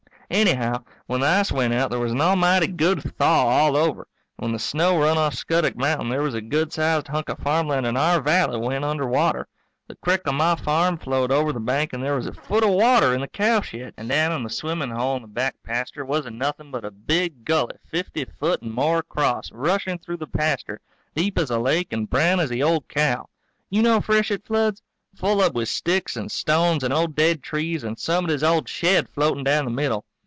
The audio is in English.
Anyhow, when the ice went out there was an almighty good thaw all over, and when the snow run off Scuttock mountain there was a good sized hunk of farmland in our valley went under water. The crick on my farm flowed over the bank and there was a foot of water in the cowshed, and down in the swimmin' hole in the back pasture wasn't nothing but a big gully fifty foot and more across, rushing through the pasture, deep as a lake and brown as the old cow. You know freshet floods? Full up with sticks and stones and old dead trees and somebody's old shed floatin' down the middle.